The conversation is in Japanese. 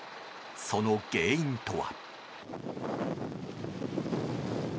その原因とは。